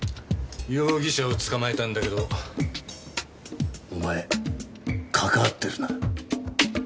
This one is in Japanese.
容疑者を捕まえたんだけどお前関わってるな？